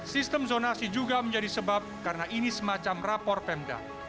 sistem zonasi juga menjadi sebab karena ini semacam rapor pemda